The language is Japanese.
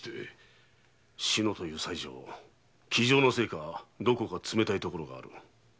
志乃という妻女気丈なせいかどこか冷たいところがある。